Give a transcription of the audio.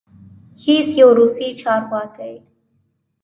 هیڅ یو روسي چارواکی